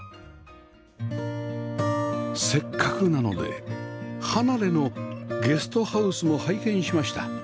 せっかくなので離れのゲストハウスも拝見しました